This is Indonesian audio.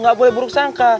gak boleh buruk sangka